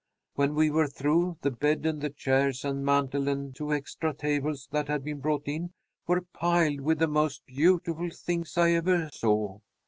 When we were through, the bed and the chairs and mantel and two extra tables that had been brought in were piled with the most beautiful things I ever saw.